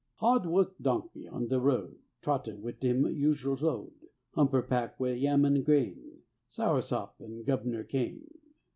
Hard wuk'd donkey on de road Trottin' wid him ushal load, Hamper pack' wi' yam an' grain, Sour sop, and Gub'nor cane.